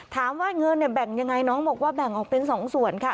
ถามว่าเงินเนี่ยแบ่งยังไงน้องบอกว่าแบ่งออกเป็น๒ส่วนค่ะ